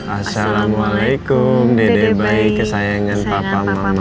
assalamualaikum dede baik kesayangan papa mama